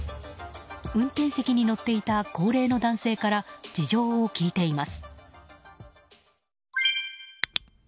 運転席に乗っていた高齢の男性から事情を聴いています。